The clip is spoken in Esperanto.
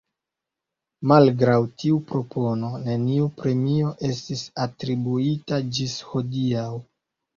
Malgraŭ tiu propono, neniu premio estis atribuita ĝis hodiaŭ.